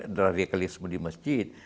dragalisme di masjid